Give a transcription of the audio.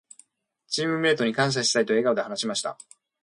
「チームメイトに感謝したい」と笑顔で話しました。